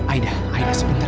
aida aida sebentar